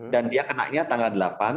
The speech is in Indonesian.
dan dia kenaknya tanggal delapan